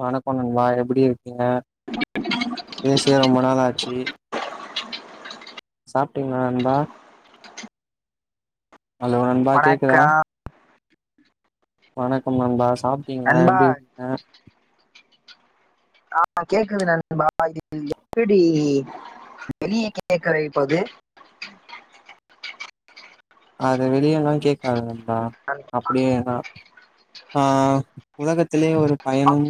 வணக்கம் நண்பா எப்டி இருக்கீங்க பேசியே ரொம்ப நாளா ஆச்சு சாப்ட்டீங்களா நண்பா ஹலோ நண்பா கேக்குதா வணக்கம் வணக்கம் நண்பா சாப்டீங்களா நண்பா எப்டி இருக்கீங்க ஆ கேக்குது நண்பா இது எப்பிடி வெளிய கேக்க வைப்பது அது வெளியல்லா கேக்காது நண்பா நண்- அப்டியே தா ஆ உலகத்துலயே ஒரு ஆ- பயனும்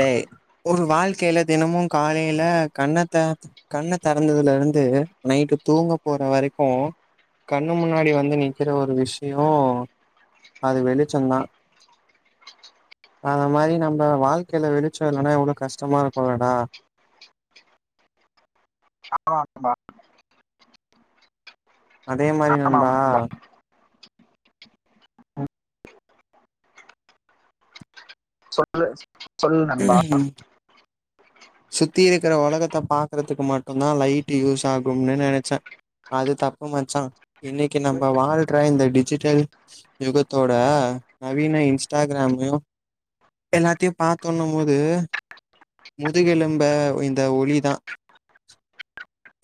டேய் ஒரு வாழ்கைல தினமு காலைல கண்ணத்தி கண்ண தெறந்ததுலேருந்து நைட்டு தூங்க போற வரைக்கும் கண்ணு முன்னாடி வந்து நிக்கிற ஒரு விஷ்யோ அது வெளிச்சம் தா அத மாரி நம்ப வாழ்க்கைல வெளிச்சோ இல்லன்னா எவ்ளோ கஷ்டமாருக்குலடா ஆமா நண்பா அதே மாரி ஆமா ஆமா நண்பா ம், சொல்லு சொல்லு நண்பா சுத்தி இருக்குற ஒலகத்த பாக்குறதுக்கு மட்டு தான் லைட்டு யூஸ் ஆகும்னு நெனச்சே அது தப்பு மச்சா இன்னக்கி நம்ப வாழ்ற இந்த டிஜிட்டல் யுகத்தோட நவீன இன்ஸ்டாகிராமு எல்லாத்தையும் பாத்தோண்ணும்போது முதுகெலும்ப இந்த ஒளி தா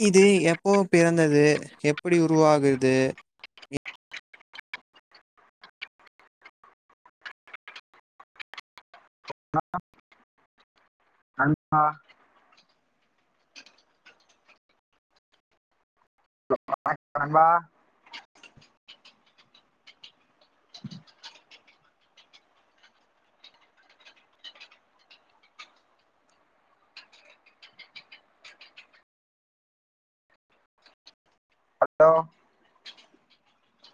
இது எப்போ பிறந்தது எப்டி உருவாகுது அ [inaudible] அ நண்பா ஹலோ